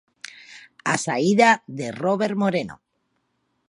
A saída de Robert Moreno.